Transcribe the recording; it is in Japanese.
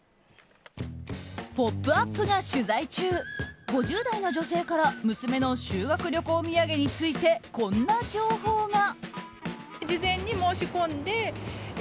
「ポップＵＰ！」が取材中５０代の女性から娘の修学旅行土産についてこんな情報が。